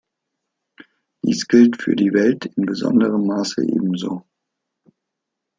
Dies gilt für die Welt in besonderem Maße ebenso.